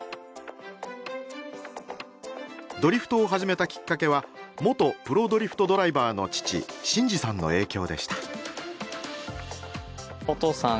ドリフトを始めたきっかけは元プロドリフトドライバーの父慎治さんの影響でした。